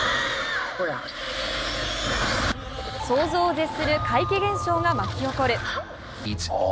想像を絶する怪奇現象が巻き起こる。